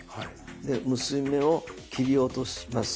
で結び目を切り落とします。